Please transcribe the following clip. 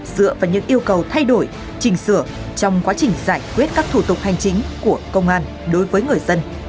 dựa vào những yêu cầu thay đổi trình sửa trong quá trình giải quyết các thủ tục hành chính của công an đối với người dân